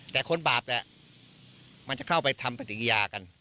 แต่คนบาปแหละมันจะเข้าไปทำปฏิกิยากัน